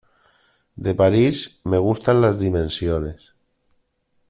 De París, me gustan las dimensiones.